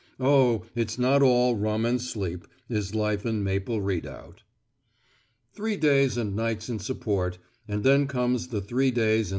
Oh, it's not all rum and sleep, is life in Maple Redoubt. Three days and nights in support, and then comes the three days in the front line.